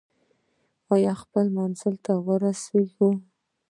آیا او خپل منزل ته ورسیږو؟